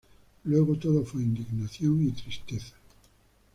Luego, todo fue indignación y tristeza.